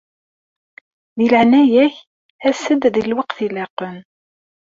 Di leɛnaya-k as-d di lweqt ilaqen.